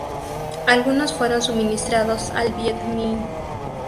Algunos fueron suministrados al Viet Minh.